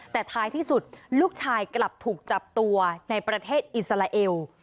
แต่ท้ายที่สุดลูกชายกลับถูกจับตัวในประเทศอิสราเอล